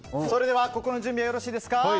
心の準備はよろしいですか。